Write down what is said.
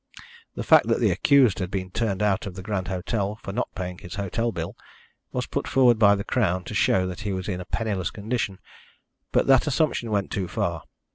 The fact that the accused had been turned out of the Grand Hotel, for not paying his hotel bill, was put forward by the Crown to show that he was in a penniless condition, but that assumption went too far.